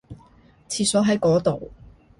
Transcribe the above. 廁所喺嗰度